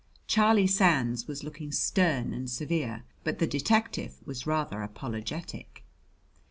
Charlie Sands was looking stern and severe, but the detective was rather apologetic.